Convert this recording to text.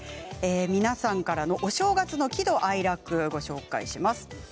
皆さんからのお正月の喜怒哀楽をご紹介します。